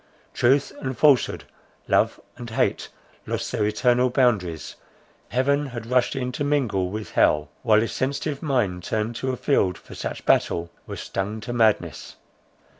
Truth and falsehood, love and hate lost their eternal boundaries, heaven rushed in to mingle with hell; while his sensitive mind, turned to a field for such battle, was stung to madness.